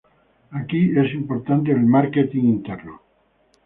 Aquí es importante el marketing interno.